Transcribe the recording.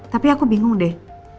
tapi aku bingung deh